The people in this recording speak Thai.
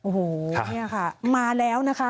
โอ้โหเนี่ยค่ะมาแล้วนะคะ